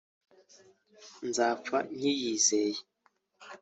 nzapfa nyiyizeye